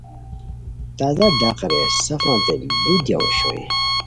تازہ ڈق رے سفانتے ُلو دیاؤ اوشوئے